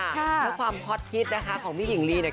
เพราะความฮอตฮิตนะคะของพี่หญิงลีเนี่ย